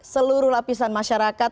seluruh lapisan masyarakat